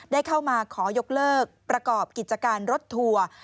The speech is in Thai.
ได้เข้ามาขอยกเลิกประกอบกิจการรถทัวร์